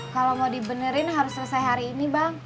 kalau mau dibenerin harus selesai hari ini bang